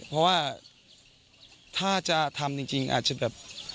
เพราะว่าถ้าจะทำจริงอาจจะแบบ